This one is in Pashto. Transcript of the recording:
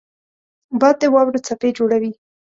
باد د واورو څپې جوړوي